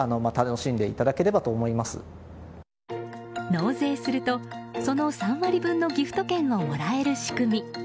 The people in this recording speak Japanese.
納税すると、その３割分のギフト券をもらえる仕組み。